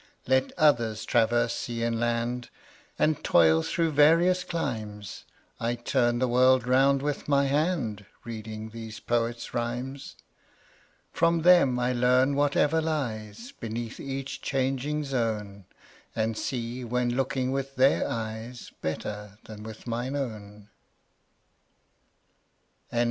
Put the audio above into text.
Let others traverse sea and land, And toil through various climes, 30 I turn the world round with my hand Reading these poets' rhymes. From them I learn whatever lies Beneath each changing zone, And see, when looking with their eyes, 35 Better than with mine own. H. W.